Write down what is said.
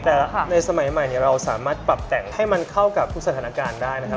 แต่ในสมัยใหม่เราสามารถปรับแต่งให้มันเข้ากับทุกสถานการณ์ได้นะครับ